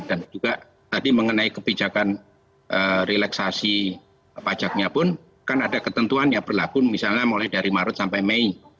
dan juga tadi mengenai kebijakan relaksasi pajaknya pun kan ada ketentuan yang berlaku misalnya mulai dari maret sampai mei